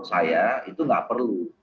saya itu nggak perlu